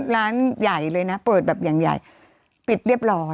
ร้านใหญ่เลยนะเปิดแบบอย่างใหญ่ปิดเรียบร้อย